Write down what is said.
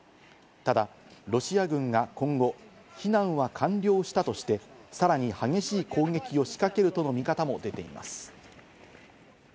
ただロシア軍が今後、避難は完了したとして、さらに激しい攻撃を仕掛けるとの見方も出ています。